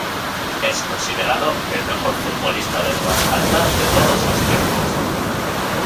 Es considerado el mejor futbolista de Nueva Zelanda de todos los tiempos.